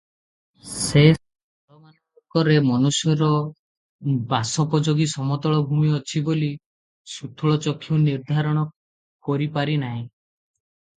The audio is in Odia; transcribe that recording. ସେ ସ୍ଥଳମାନଙ୍କରେ ମନୁଷ୍ୟର ବାସୋପଯୋଗୀ ସମତଳଭୂମି ଅଛି ବୋଲି ସ୍ଥୂଳଚକ୍ଷୁ ନିର୍ଦ୍ଧାରଣ କରି ପାରଇ ନାହିଁ ।